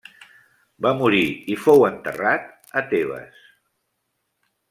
Va morir i fou enterrat a Tebes.